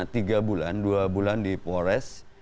tiga bulan dua bulan di polres